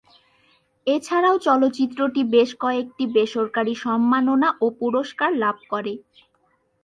এছাড়াও চলচ্চিত্রটি বেশ কয়েকটি বেসরকারি সম্মাননা ও পুরস্কার লাভ করে।